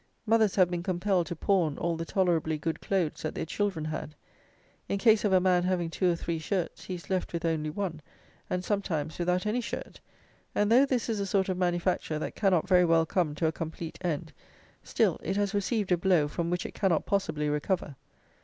Mothers have been compelled to pawn all the tolerably good clothes that their children had. In case of a man having two or three shirts, he is left with only one, and sometimes without any shirt; and, though this is a sort of manufacture that cannot very well come to a complete end, still it has received a blow from which it cannot possibly recover.